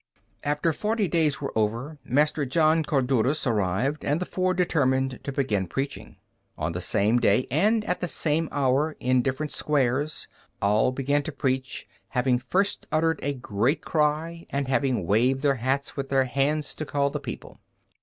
After the forty days were over, Master John Codurus arrived, and the four determined to begin preaching. On the same day and at the same hour, in different squares, all began to preach, having first uttered a great cry, and having waved their hats with their hands to call the people.